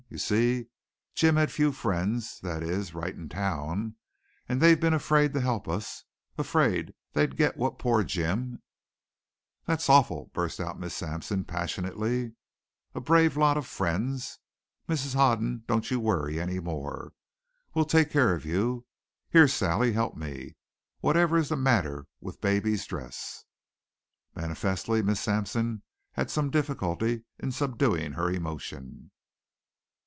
"You see, Jim had few friends that is, right in town. And they've been afraid to help us afraid they'd get what poor Jim " "That's awful!" burst out Miss Sampson passionately. "A brave lot of friends! Mrs. Hoden, don't you worry any more. We'll take care of you. Here, Sally help me. Whatever is the matter with baby's dress?" Manifestly Miss Sampson had some difficulty in subduing her emotion.